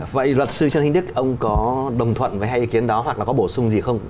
vậy luật sư trần hình đức ông có đồng thuận với hai ý kiến đó hoặc là có bổ sung gì không